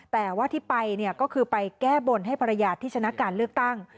แต่ว่าที่ไปเนี่ยก็คือไปแก้บนให้ภรรยาที่ชนะการเลือกตั้ง